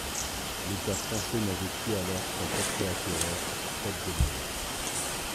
L’État français n’avait pu alors s'en porter acquéreur, faute de moyens.